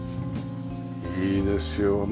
いいですよね。